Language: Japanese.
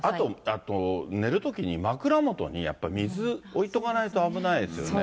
あと、寝るときに枕元にやっぱり水置いとかないと危ないですよね。